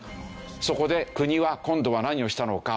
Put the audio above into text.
そこで国は今度は何をしたのか？